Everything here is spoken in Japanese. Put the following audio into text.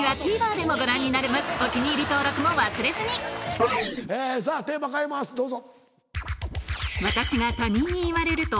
コリャさぁテーマ変えますどうぞ。